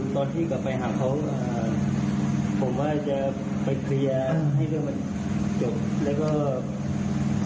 ตอนที่กลับไปหาเขาผมว่าจะไปเรียนให้เรื่องมันจบ